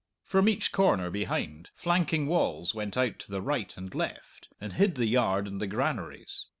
From each corner, behind, flanking walls went out to the right and left, and hid the yard and the granaries.